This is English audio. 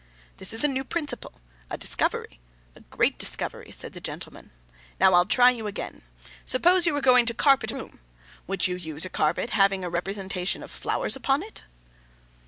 'This is a new principle, a discovery, a great discovery,' said the gentleman. 'Now, I'll try you again. Suppose you were going to carpet a room. Would you use a carpet having a representation of flowers upon it?